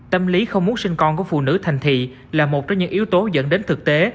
tâm lý không muốn sinh con của phụ nữ thành thị là một trong những yếu tố dẫn đến thực tế